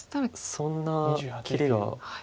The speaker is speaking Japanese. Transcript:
そんな切りが。